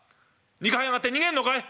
２階上がって逃げんのかい！」。